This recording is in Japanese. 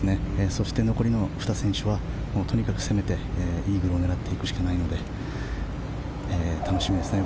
そして残りの２選手はとにかく攻めてイーグルを狙っていくしかないので楽しみですね